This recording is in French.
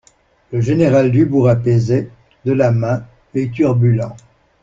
Le général Dubourg apaisait, de la main, les turbulents.